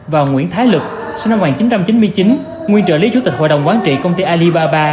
và nguyễn thái luyện sinh năm một nghìn chín trăm chín mươi chín nguyên chủ tịch hội đồng quán trị công ty alibaba